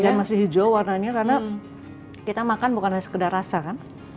dan masih hijau warnanya karena kita makan bukan sekedar rasa kan